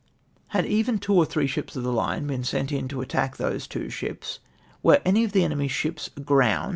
—" Had even two. or three sliips of the line been sent in to attack those two ships, were any of the eneiw/s ships aground {!)